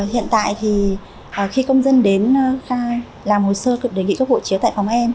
hiện tại thì khi công dân đến khai làm hồ sơ cực đề nghị cấp hộ chiếu tại phòng em